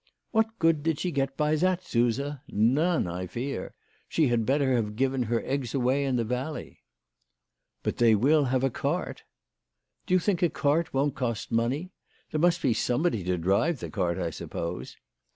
"What good did she get by that, Suse? None, I fear. She had better have given her eggs away in the valley." "But they will have a cart." " Do you think a cart won't cost money ? There must be somebody to drive the cart, I suppose."